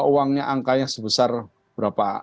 uangnya angkanya sebesar berapa